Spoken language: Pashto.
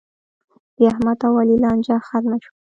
د احمد او علي لانجه ختمه شوه.